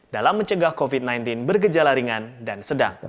dalam mencegah covid sembilan belas bergejala ringan dan sedang